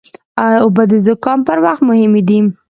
اوبه د زکام پر وخت مهمې دي.